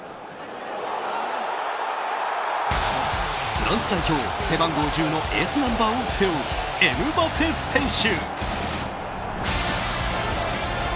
フランス代表、背番号１０のエースナンバーを背負うエムバペ選手。